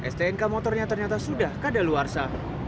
stnk motornya ternyata sudah kadaluarsa